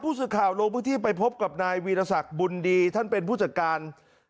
ผู้สืบข่าวโรงพื้นที่ไปพบกับนายวีรษักบุณดีท่านเป็นผู้จัดการ